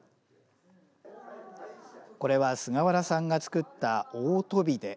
これは菅原さんが作った大飛出。